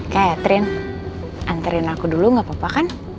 catherine anterin aku dulu gak apa apa kan